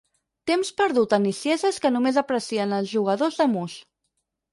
Temps perdut en nicieses que només aprecien els jugadors de mus.